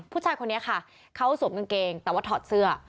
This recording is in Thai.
ผู้ชายคนนี้ค่ะเขาสวมกางเกงแต่ว่าถอดเสื้อ